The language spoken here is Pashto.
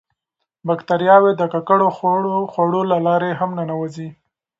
باکتریاوې د ککړو خوړو له لارې هم ننوځي.